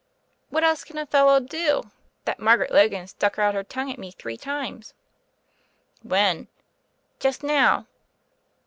"What else can a fellow do ? That Margaret Logan stuck out her tongue at me three times." "When?" "Just now."